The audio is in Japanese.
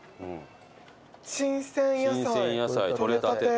「新鮮野菜採れたて」